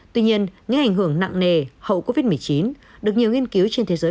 tuy nhiên những ảnh hưởng nặng nề hậu covid một mươi chín được nhiều nghiên cứu trên thế giới